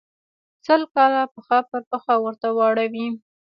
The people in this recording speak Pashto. سل کاله پښه پر پښه ورته واړوي.